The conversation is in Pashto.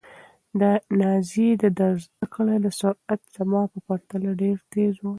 د نازيې د زده کړې سرعت زما په پرتله ډېر تېز و.